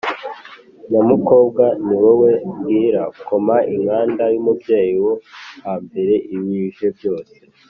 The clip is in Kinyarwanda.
nyamukobwa ni wowe mbwira, koma inkanda y’umubyeyi wo hambere, ibije byose